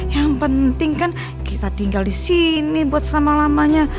yang penting kan kita tinggal disini buat selama lamanya